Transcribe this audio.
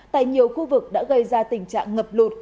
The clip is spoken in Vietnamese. tại nhiều khu vực đã gây ra tình trạng ngập lụt